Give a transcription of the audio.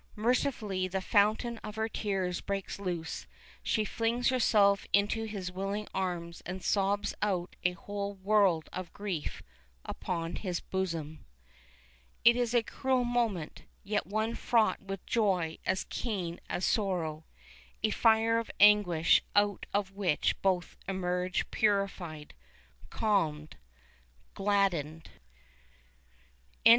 Mercifully the fountain of her tears breaks loose, she flings herself into his willing arms, and sobs out a whole world of grief upon his bosom. It is a cruel moment, yet one fraught with joy as keen as the sorrow a fire of anguish out of which both emerge purified, calmed gladdened.